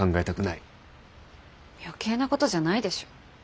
余計なことじゃないでしょ。